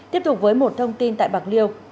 tiếp tục với một thông tin tại bạc liêu